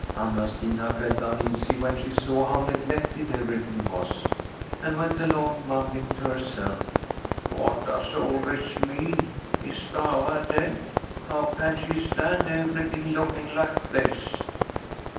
Anna Stina felt uneasy when she saw how neg lected everything was, and went along mumbling to herself :* What does all this mean ? Is Stafva dead? How can she stand everything looking like this